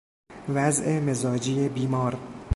وضع مزاجی بیمار